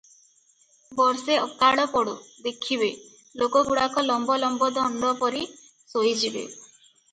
ବର୍ଷେ ଅକାଳ ପଡ଼ୁ, ଦେଖିବେ, ଲୋକଗୁଡାକ ଲମ୍ବ ଲମ୍ବ ଧଣ୍ଡ ପରି ଶୋଇଯିବେ ।